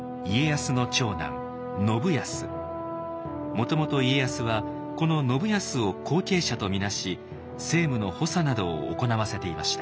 もともと家康はこの信康を後継者と見なし政務の補佐などを行わせていました。